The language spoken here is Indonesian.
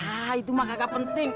ah itu mah kagak penting